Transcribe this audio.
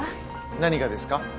何がですか？